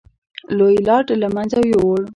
لوی لاټ له منځه یووړ.